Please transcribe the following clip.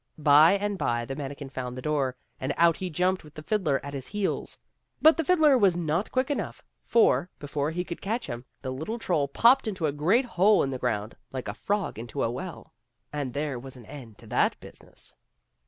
By and by the manikin found the door, and out he jumped with the fiddler at his heels. But the fiddler was not quick enough, for, before he could catch him, the little troll popped into a great hole in the ground like a frog into a well ; and there was an end to that business.